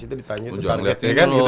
ditanya itu target